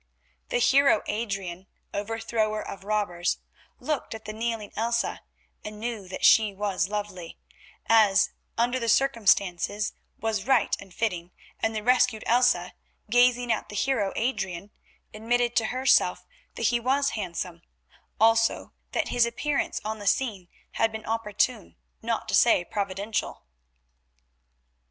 The hero Adrian, overthrower of robbers, looked at the kneeling Elsa, and knew that she was lovely, as, under the circumstances, was right and fitting, and the rescued Elsa, gazing at the hero Adrian, admitted to herself that he was handsome, also that his appearance on the scene had been opportune, not to say providential.